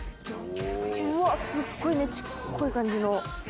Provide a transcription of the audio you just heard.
うわっすっごいねちっこい感じの。